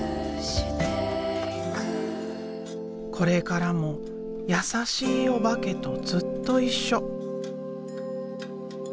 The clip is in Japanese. これからも優しいおばけとずっと一緒。